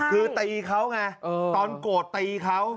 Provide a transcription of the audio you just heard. คือตีเขาไงตอนโกรธตีเขา